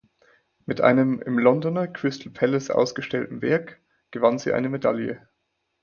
Mit einem im Londoner Crystal Palace ausgestellten Werk gewann sie eine Medaille.